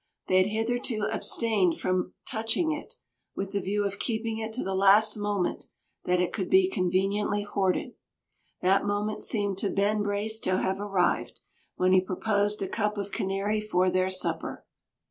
They had hitherto abstained from touching it, with the view of keeping it to the last moment that it could be conveniently hoarded. That moment seemed to Ben Brace to have arrived, when he proposed a cup of Canary for their supper.